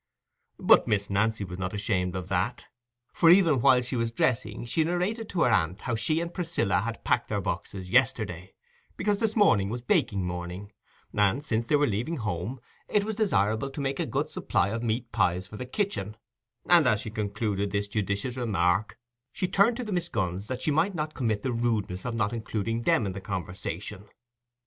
But Miss Nancy was not ashamed of that, for even while she was dressing she narrated to her aunt how she and Priscilla had packed their boxes yesterday, because this morning was baking morning, and since they were leaving home, it was desirable to make a good supply of meat pies for the kitchen; and as she concluded this judicious remark, she turned to the Miss Gunns that she might not commit the rudeness of not including them in the conversation.